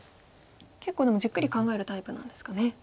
結構でもじっくり考えるタイプなんですかね。